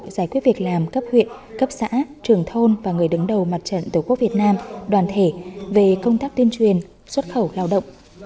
giải quyết việc làm cấp huyện cấp xã trường thôn và người đứng đầu mặt trận tổ quốc việt nam đoàn thể về công tác tuyên truyền xuất khẩu lao động